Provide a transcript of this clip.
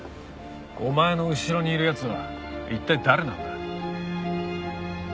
お前の後ろにいる奴は一体誰なんだ？